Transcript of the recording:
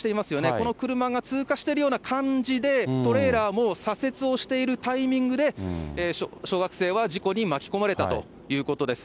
この車が通過しているような感じで、トレーラーも左折をしているタイミングで、小学生は事故に巻き込まれたということです。